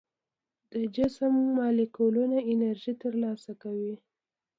د جسم مالیکولونه انرژي تر لاسه کوي.